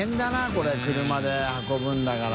これ車で運ぶんだから。